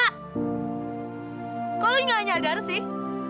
kok kamu nggak nyadar sih